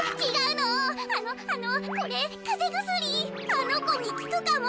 あのこにきくかも。